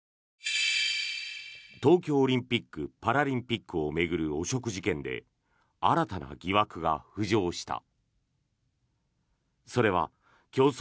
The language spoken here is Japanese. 東京オリンピック・パラリンピックを巡る汚職事件で新たな疑惑が浮上した。